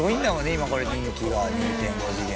今これ人気が２．５次元」